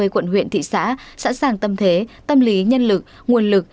ba mươi quận huyện thị xã sẵn sàng tâm thế tâm lý nhân lực nguồn lực